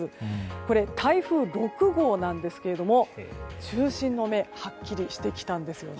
これ、台風６号なんですけれども中心の目はっきりしてきたんですね。